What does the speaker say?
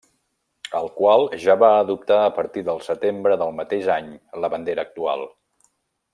El qual ja va adoptar a partir del setembre del mateix any la bandera actual.